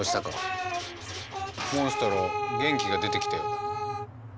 モンストロ元気が出てきたようだ。